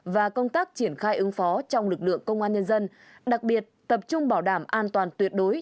và công tác triển khai ứng phó trong lực lượng công an nhân dân đặc biệt tập trung bảo đảm an toàn tuyệt đối